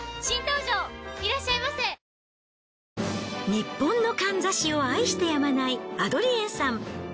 ニッポンのかんざしを愛してやまないアドリエンさん。